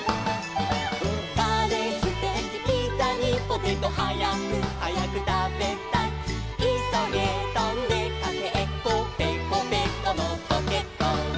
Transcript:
「カレーステーキピザにポテト」「はやくはやくたべたい」「いそげとんでかけっこぺこぺこのコケッコー」